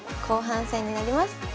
後半戦」になります。